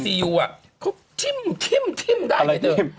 แต่ตอนพังงานไอซียูอะเขาทิ้มได้ไงเถอะ